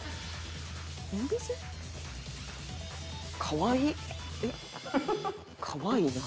かわいいな。